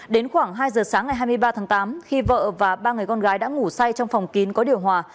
đến khoảng hai giờ sáng ngày hai mươi ba tháng tám khi vợ và ba người con gái đã ngủ say trong phòng kín có điều hòa